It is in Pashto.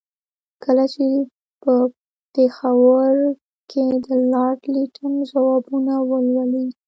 کله چې په پېښور کې د لارډ لیټن ځوابونه ولولي.